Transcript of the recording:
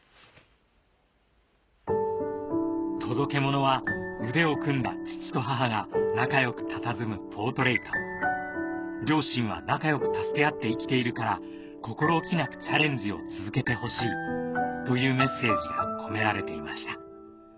届けものは腕を組んだ父と母が仲良くたたずむポートレート両親は仲良く助け合って生きているから心置きなくチャレンジを続けてほしいというメッセージが込められていました